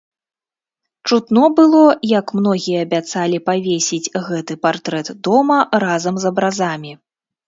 Чутно было, як многія абяцалі павесіць гэты партрэт дома разам з абразамі.